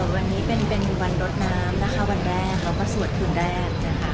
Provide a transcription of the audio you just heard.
วันนี้เป็นวันรดน้ำนะคะวันแรกเขาก็สวดคืนแรกนะคะ